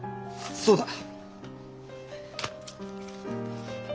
そうだ。